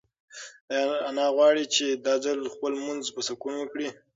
انا غواړي چې دا ځل خپل لمونځ په سکون وکړي.